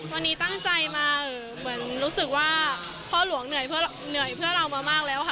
วันนี้ตั้งใจมาเหมือนรู้สึกว่าพ่อหลวงเหนื่อยเพื่อเหนื่อยเพื่อเรามามากแล้วค่ะ